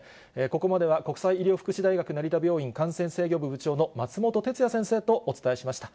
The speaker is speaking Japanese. ここまでは国際医療福祉大学成田病院感染制御部部長の松本哲哉先生とお伝えしました。